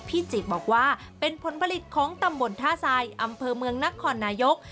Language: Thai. จิตบอกว่าเป็นผลผลิตของตำบลท่าทรายอำเภอเมืองนครนายก